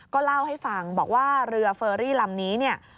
ก็เล่าให้ฟังบอกว่าเรือเฟอรี่ลำนี้เนี่ย